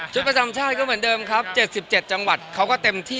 ชุดประจำชาติก็เหมือนเดิมครับเจ็ดสิบเจ็ดจังหวัดเขาก็เต็มที่